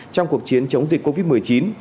trong cuộc chiến chống dịch covid một mươi chín